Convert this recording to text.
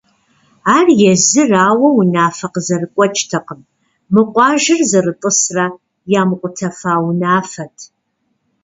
Ар езыр ауэ унафэ къызэрыгуэкӏтэкъым — мы къуажэр зэрытӏысрэ ямыкъутэфа унафэт.